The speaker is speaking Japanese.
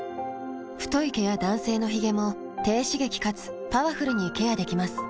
太い毛や男性のヒゲも低刺激かつパワフルにケアできます。